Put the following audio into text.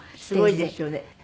すごいですよね